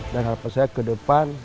dan harapan saya ke depan